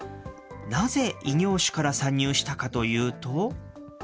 なぜ異業種から参入したかというと。